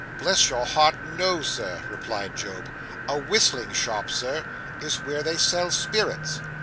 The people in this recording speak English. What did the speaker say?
'Bless your heart, no, Sir,' replied Job; 'a whistling shop, Sir, is where they sell spirits.